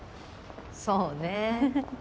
そうね。